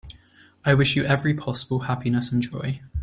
I wish you every possible happiness and joy.